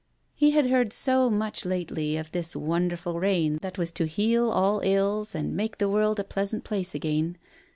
He had heard so much lately of this wonderful rain that was to heal all ills and make the world a pleasant place again.